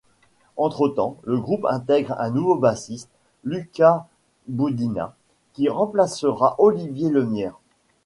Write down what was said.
Entre-temps, le groupe intègre un nouveau bassiste, Lucas Boudina, qui remplacera Olivier Lemière.